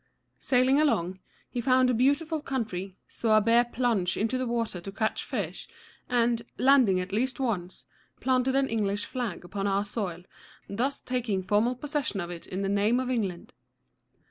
Sailing along, he found a beautiful country, saw a bear plunge into the water to catch fish, and, landing at least once, planted an English flag upon our soil, thus taking formal possession of it in the name of England.